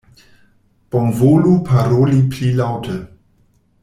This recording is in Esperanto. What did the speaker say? Bonvolu paroli pli laŭte!